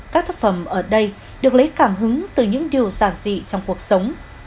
các thập phẩm ở đây được lấy cảm hứng từ những điều giản dị trong cuộc sống